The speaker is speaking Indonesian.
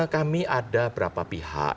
kami ada berapa pihak